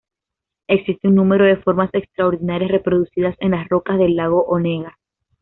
Existe un número de formas extraordinarias reproducidas en las rocas del lago Onega.